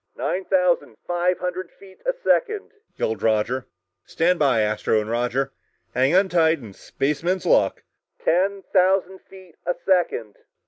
"Nine thousand five hundred feet a second," yelled Roger. "Stand by, Astro, Roger! Hang on tight, and spaceman's luck!" "Ten thousand feet a second!"